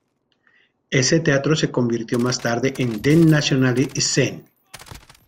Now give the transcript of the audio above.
Ese teatro se convirtió más tarde en "Den Nationale Scene".